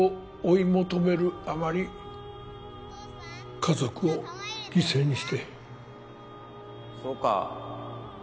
家族を犠牲にしてそうか